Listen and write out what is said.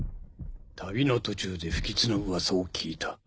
旅の途中で不吉な噂を聞いた。